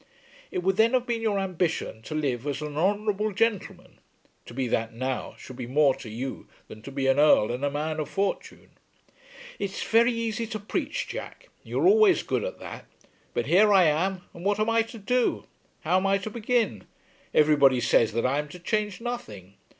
"It would then have been your ambition to live as an honourable gentleman. To be that now should be more to you than to be an Earl and a man of fortune." "It's very easy to preach, Jack. You were always good at that. But here I am, and what am I to do? How am I to begin? Everybody says that I am to change nothing.